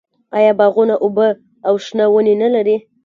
آیا باغونه اوبه او شنه ونې نلري؟